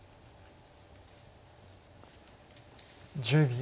１０秒。